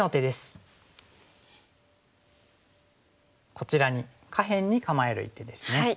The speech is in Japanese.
こちらに下辺に構える一手ですね。